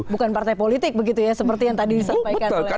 bukan partai politik begitu ya seperti yang tadi disampaikan oleh